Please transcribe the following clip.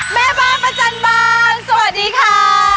แม่บ้านประจันบานสวัสดีค่ะ